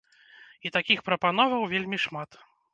І такіх прапановаў вельмі шмат!